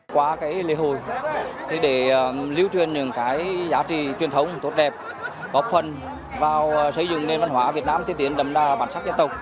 qua cái lễ hội thì để lưu truyền những cái giá trị truyền thống tốt đẹp bốc phân vào xây dựng nền văn hóa việt nam tiên tiến đầm đa bản sắc dân tộc